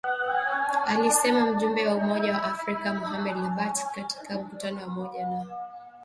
alisema mjumbe wa Umoja wa Afrika Mohamed Lebatt katika mkutano wa pamoja na